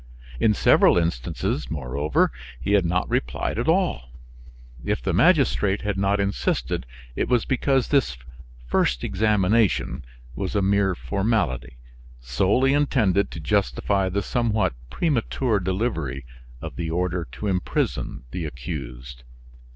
In several instances, moreover, he had not replied at all. If the magistrate had not insisted, it was because this first examination was a mere formality, solely intended to justify the somewhat premature delivery of the order to imprison the accused.